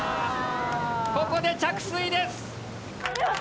ここで着水です。